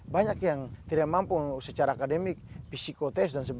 banyak yang tidak mampu secara akademik psikotest